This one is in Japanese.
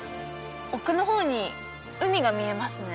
奥の方に海が見えますね